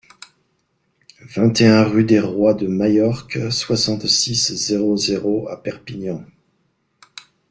vingt et un rue des Rois de Majorque, soixante-six, zéro zéro zéro à Perpignan